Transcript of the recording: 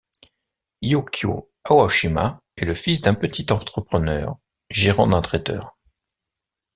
Yukio Aoshima est le fils d'un petit entrepreneur, gérant d'un traiteur.